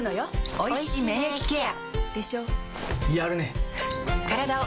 おいしい免疫ケア